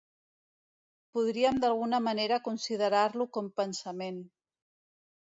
Podríem d'alguna manera considerar-lo com pensament.